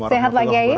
sehat pak kiai